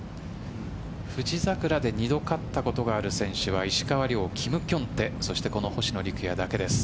富士桜で２度勝ったことがある選手は石川遼、キム・キョンテそしてこの星野陸也だけです。